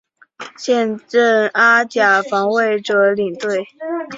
现任阿甲防卫者领队。